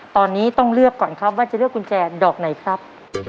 ตอนนี้ต้องเลือกก่อนครับว่าจะเลือกกุญแจดอกไหนครับ